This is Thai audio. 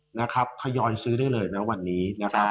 พยายองซื้อได้เลยวันนี้